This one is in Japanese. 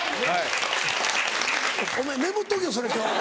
お前メモっとけそれ今日。